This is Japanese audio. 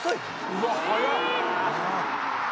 「うわ速っ！」